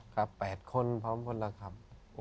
ครับ๘คนพร้อมพอละครับ